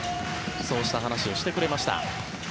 そうした話をしてくれました。